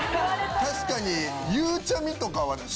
確かにゆうちゃみとかは。